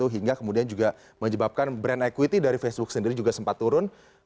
hingga kemudian juga menyebabkan brand equity dari facebook sendiri juga sempat turun